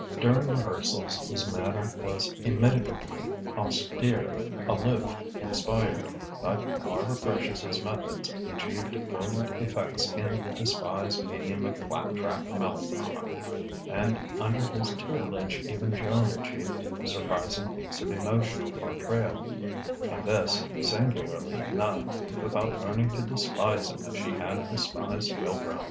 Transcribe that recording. During rehearsals his manner was immitigably austere, aloof, inspired; but however precious his methods, he achieved brilliant effects in the despised medium of clap trap melodrama; and under his tutelage even Joan achieved surprising feats of emotional portrayal and this, singularly enough, without learning to despise him as she had despised Wilbrow.